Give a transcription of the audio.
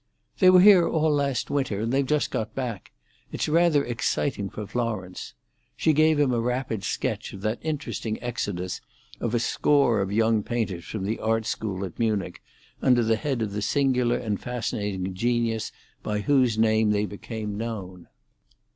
"They were here all last winter, and they've just got back. It's rather exciting for Florence." She gave him a rapid sketch of that interesting exodus of a score of young painters from the art school at Munich, under the head of the singular and fascinating genius by whose name they became known.